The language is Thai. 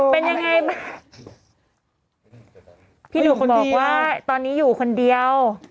พี่หนูคนดีอ่ะพี่หนูบอกว่าตอนนี้อยู่คนเดียว